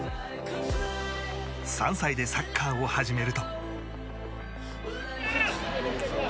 ３歳でサッカーを始めると。